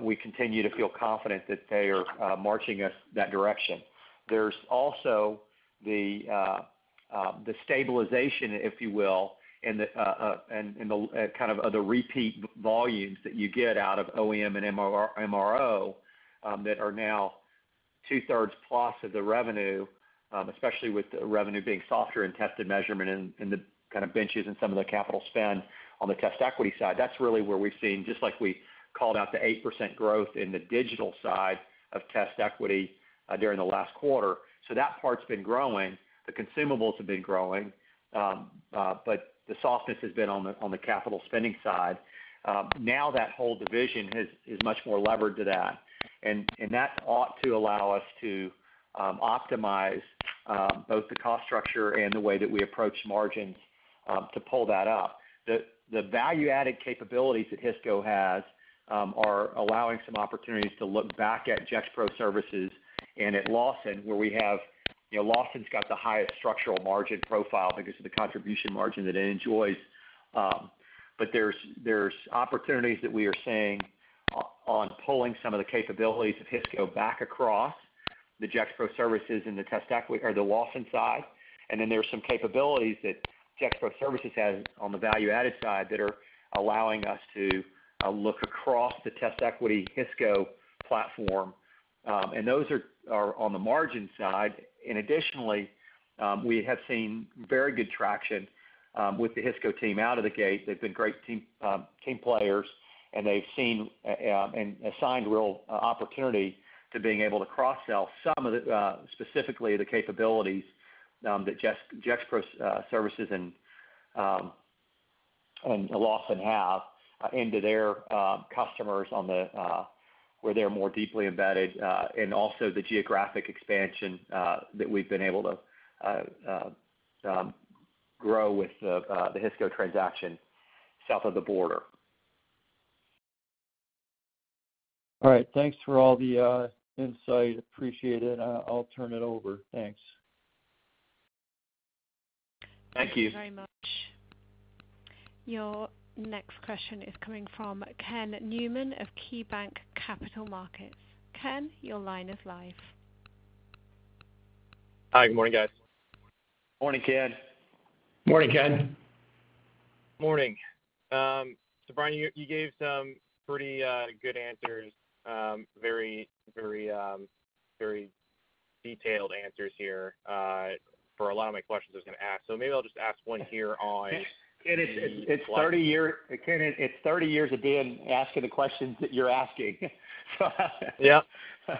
We continue to feel confident that they are marching us that direction. There's also the stabilization, if you will, in the kind of the repeat volumes that you get out of OEM and MRO that are now two-thirds plus of the revenue, especially with the revenue being softer in tested measurement and the kind of benches and some of the capital spend on the TestEquity side. That's really where we've seen, just like we called out the 8% growth in the digital side of TestEquity, during the last quarter. That part's been growing, the consumables have been growing, but the softness has been on the, on the capital spending side. Now that whole division has, is much more levered to that, and, and that ought to allow us to optimize both the cost structure and the way that we approach margins to pull that up. The, the value-added capabilities that Hisco has are allowing some opportunities to look back at Gexpro Services and at Lawson, where we have, you know, Lawson's got the highest structural margin profile because of the contribution margin that it enjoys. There's, there's opportunities that we are seeing on pulling some of the capabilities of Hisco back across the Gexpro Services and the TestEquity, or the Lawson side. There are some capabilities that Gexpro Services has on the value-added side that are allowing us to look across the TestEquity, Hisco platform. Those are, are on the margin side. Additionally, we have seen very good traction with the Hisco team out of the gate. They've been great team, team players, and they've seen and assigned real opportunity to being able to cross-sell some of the specifically the capabilities that Gexpro Services and... A loss in half into their customers on the where they're more deeply embedded, and also the geographic expansion that we've been able to grow with the Hisco transaction south of the border. All right, thanks for all the insight. Appreciate it. I'll turn it over. Thanks. Thank you. Thank you very much. Your next question is coming from Ken Newman of KeyBanc Capital Markets. Ken, your line is live. Hi, good morning, guys. Morning, Ken. Morning, Ken. Morning. Bryan, you, you gave some pretty good answers, very, very, very detailed answers here for a lot of my questions I was gonna ask. Maybe I'll just ask one here on- It's Ken, it's 30 years of being, asking the questions that you're asking. Yep.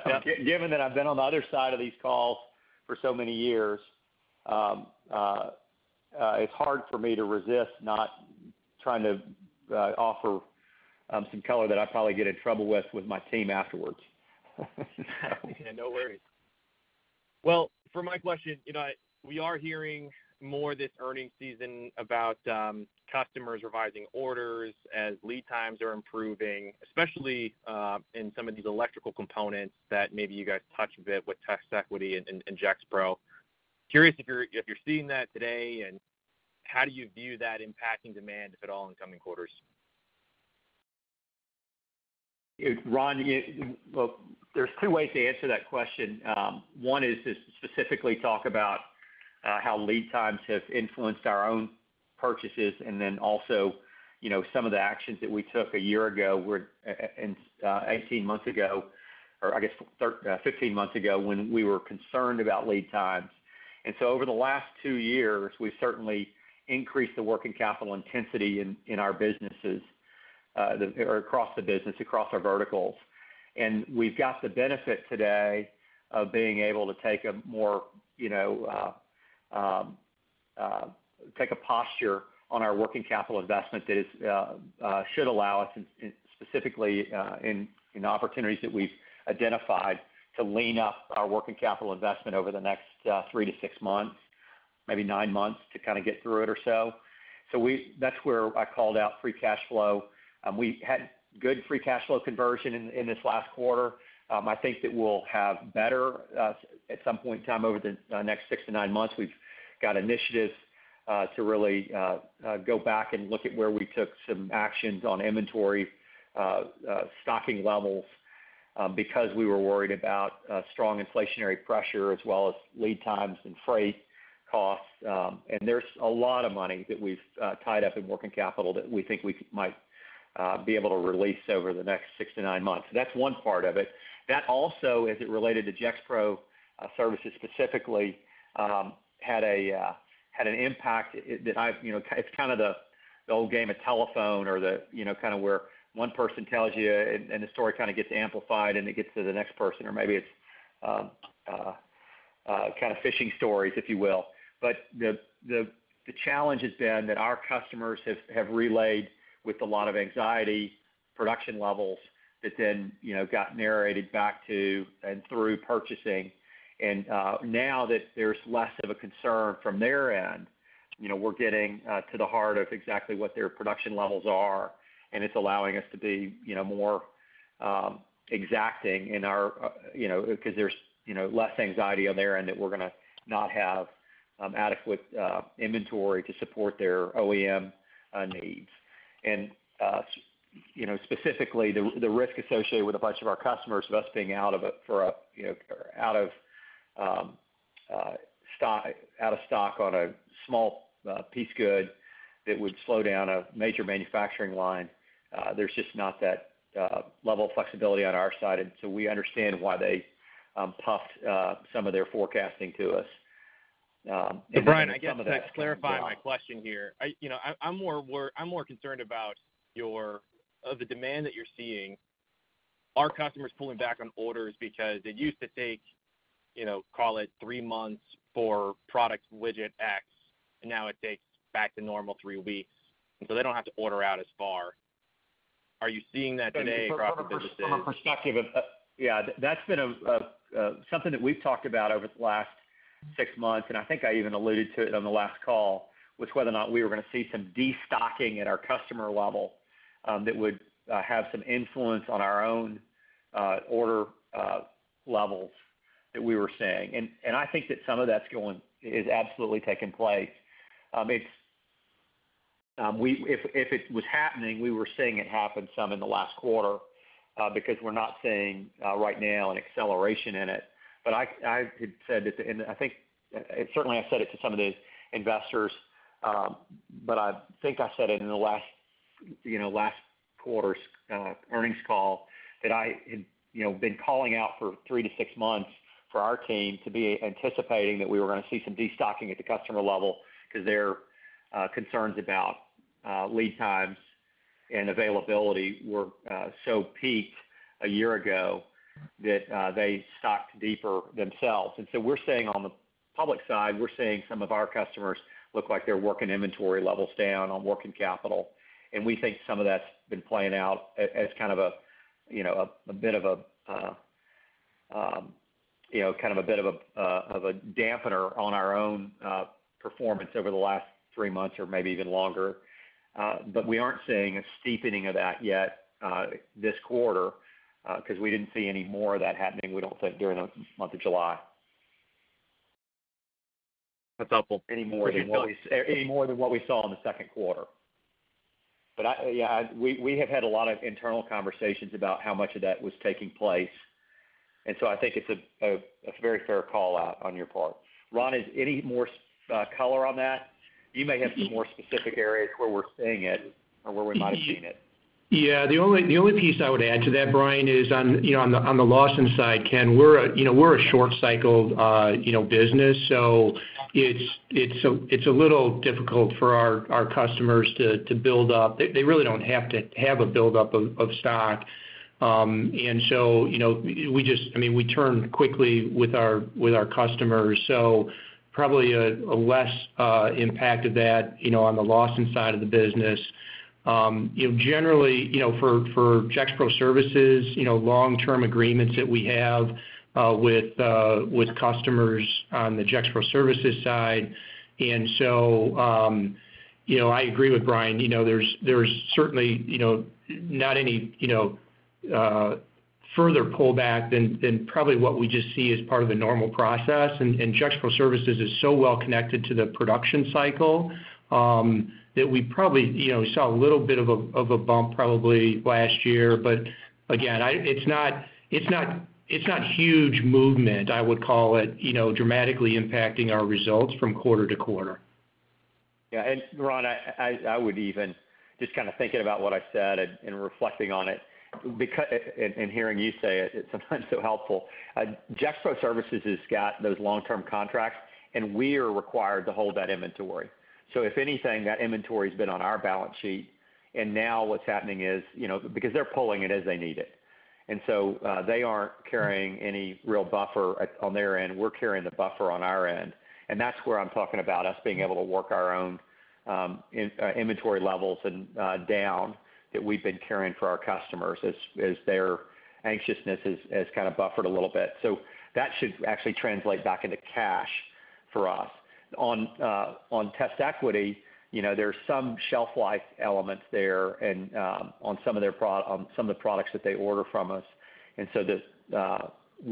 Yep. Given that I've been on the other side of these calls for so many years, it's hard for me to resist not trying to offer some color that I probably get in trouble with, with my team afterwards. Yeah, no worries. Well, for my question, you know, we are hearing more this earning season about customers revising orders as lead times are improving, especially in some of these electrical components that maybe you guys touch a bit with TestEquity and Gexpro. Curious if you're, if you're seeing that today, and how do you view that impacting demand, if at all, in coming quarters? If Ron, yeah, well, there's two ways to answer that question. One is to specifically talk about how lead times have influenced our own purchases, and then also, you know, some of the actions that we took a year ago were, and 18 months ago, or I guess, 15 months ago, when we were concerned about lead times. So over the last two years, we've certainly increased the working capital intensity in, in our businesses, or across the business, across our verticals. We've got the benefit today of being able to take a more, you know, take a posture on our working capital investment that is, should allow us, in specifically, in the opportunities that we've identified, to lean up our working capital investment over the next 3 to 6 months, maybe 9 months, to kind of get through it or so. That's where I called out free cash flow. We had good free cash flow conversion in this last quarter. I think that we'll have better, at some point in time, over the next 6 to 9 months. We've got initiatives to really go back and look at where we took some actions on inventory stocking levels, because we were worried about strong inflationary pressure, as well as lead times and freight costs. There's a lot of money that we've tied up in working capital that we think we might be able to release over the next six to nine months. That's one part of it. That also, as it related to Gexpro Services specifically, had an impact. You know, it's kind of the old game of telephone or the, you know, kind of where one person tells you and, and the story kind of gets amplified, and it gets to the next person, or maybe it's, kind of fishing stories, if you will. The challenge has been that our customers have, have relayed with a lot of anxiety, production levels that then got narrated back to and through purchasing. Now that there's less of a concern from their end, we're getting to the heart of exactly what their production levels are, and it's allowing us to be more exacting in our, 'cause there's less anxiety on their end that we're gonna not have adequate inventory to support their OEM needs. Specifically, the risk associated with a bunch of our customers, of us being out of it for a out of stock, out of stock on a small piece good, that would slow down a major manufacturing line. There's just not that level of flexibility on our side, and so we understand why they puffed some of their forecasting to us. Bryan, I guess just to clarify my question here. I, you know, I'm more concerned about your demand that you're seeing, are customers pulling back on orders because it used to take, you know, call it 3 months for product widget X, and now it takes back to normal 3 weeks, and so they don't have to order out as far. Are you seeing that today across the businesses? Yeah, that's been a something that we've talked about over the last 6 months, and I think I even alluded to it on the last call, which whether or not we were gonna see some destocking at our customer level, that would have some influence on our own order levels that we were seeing. I think that some of that's going, is absolutely taking place. It's, if it was happening, we were seeing it happen some in the last quarter, because we're not seeing right now an acceleration in it. I, I had said this, and I think, certainly I've said it to some of the investors, but I think I said it in the last, you know, last quarter's earnings call, that I had, you know, been calling out for 3-6 months for our team to be anticipating that we were gonna see some destocking at the customer level because their concerns about lead times and availability were so peaked a year ago, that they stocked deeper themselves. We're seeing on the public side, we're seeing some of our customers look like they're working inventory levels down on working capital. We think some of that's been playing out as kind of a, you know, a bit of a, you know, kind of a bit of a dampener on our own performance over the last three months or maybe even longer. We aren't seeing a steepening of that yet this quarter 'cause we didn't see any more of that happening, we don't think, during the month of July. That's helpful. Any more than what we saw in the Q2. I, yeah, we, we have had a lot of internal conversations about how much of that was taking place, so I think it's a, a, a very fair call-out on your part. Ron, is any more color on that? You may have some more specific areas where we're seeing it or where we might have seen it. Yeah, the only, the only piece I would add to that, Bryan, is on, you know, on the Lawson side, Ken, we're a, you know, we're a short-cycled business, so it's, it's a, it's a little difficult for our customers to build up. They, they really don't have to have a buildup of stock. So, you know, we just... I mean, we turn quickly with our customers. So probably a less impact of that, you know, on the Lawson side of the business. You know, generally, you know, for Gexpro Services, you know, long-term agreements that we have, with customers on the Gexpro Services side. So, you know, I agree with Bryan. You know, there's, there's certainly, you know, not any, you know, further pullback than, than probably what we just see as part of the normal process. Gexpro Services is so well connected to the production cycle, that we probably, you know, saw a little bit of a, of a bump probably last year. Again, it's not, it's not, it's not huge movement, I would call it, you know, dramatically impacting our results from quarter to quarter. Yeah. Ron, I would even, just kind of thinking about what I said and reflecting on it, and hearing you say it, it's sometimes so helpful. Gexpro Services has got those long-term contracts. We are required to hold that inventory. If anything, that inventory's been on our balance sheet, now what's happening is, you know, because they're pulling it as they need it. They aren't carrying any real buffer at, on their end. We're carrying the buffer on our end, and that's where I'm talking about us being able to work our own inventory levels and down, that we've been carrying for our customers as their anxiousness has kind of buffered a little bit. That should actually translate back into cash for us. On, on TestEquity, you know, there are some shelf life elements there and on some of their products that they order from us.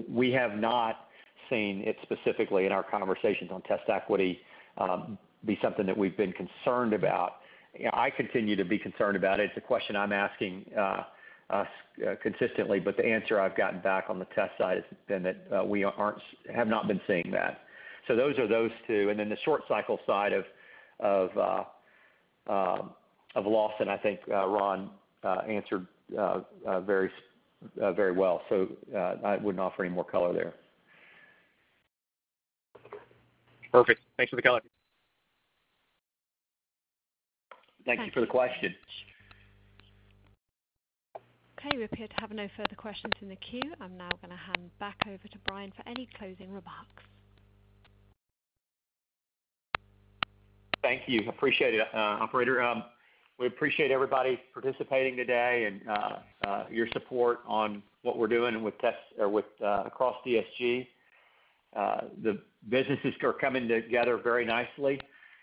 We have not seen it specifically in our conversations on TestEquity be something that we've been concerned about. You know, I continue to be concerned about it. It's a question I'm asking us consistently, but the answer I've gotten back on the test side has been that we have not been seeing that. Those are those two, and then the short cycle side of Lawson, I think Ron answered very well. I wouldn't offer any more color there. Perfect. Thanks for the color. Thank you for the question. Okay, we appear to have no further questions in the queue. I'm now gonna hand back over to Bryan for any closing remarks. Thank you. Appreciate it, operator. We appreciate everybody participating today and your support on what we're doing with test or with across DSG. The businesses are coming together very nicely,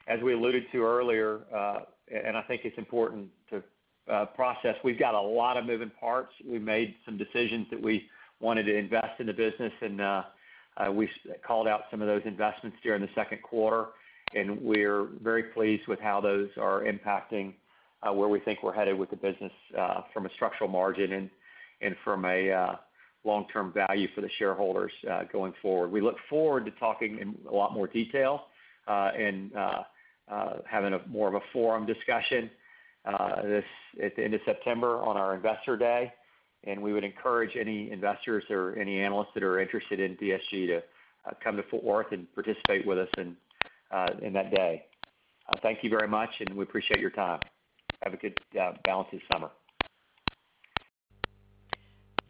as we alluded to earlier, and I think it's important to process. We've got a lot of moving parts. We've made some decisions that we wanted to invest in the business, and we called out some of those investments during the Q2, and we're very pleased with how those are impacting where we think we're headed with the business from a structural margin and from a long-term value for the shareholders going forward. We look forward to talking in a lot more detail, and having a more of a forum discussion, this, at the end of September on our Investor Day. We would encourage any investors or any analysts that are interested in DSG to come to Fort Worth and participate with us in that day. Thank you very much, and we appreciate your time. Have a good balance of your summer.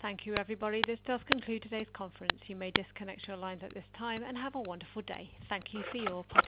Thank you, everybody. This does conclude today's conference. You may disconnect your lines at this time and have a wonderful day. Thank you for your participation.